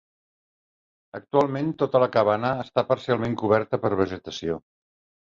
Actualment tota la cabana està parcialment coberta per vegetació.